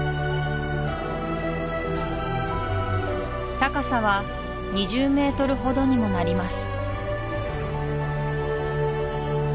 高さは２０ｍほどにもなります